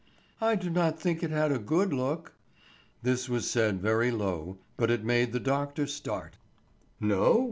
"I do not think it had a good look." This was said very low but it made the doctor start. "No?"